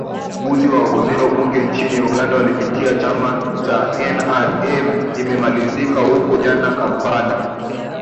uzi wa wagombea ubunge nchini uganda kupitia chama cha nrm umemalizika huko jijini kampala